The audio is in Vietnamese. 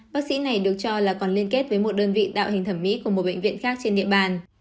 bác sĩ này được cho là còn liên kết với một đơn vị đạo hình thẩm mỹ của một bệnh viện khác trên địa bàn